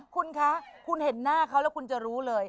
คุณคะคุณเห็นหน้าเขาแล้วคุณจะรู้เลย